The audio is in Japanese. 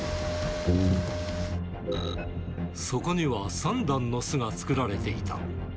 そこには３段の巣が作られていた。